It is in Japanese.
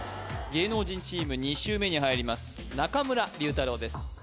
芸能人チーム２周目に入ります中村竜太郎です